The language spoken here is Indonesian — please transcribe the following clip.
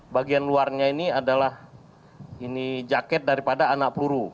bagian luarnya ini adalah jaket daripada anak peluru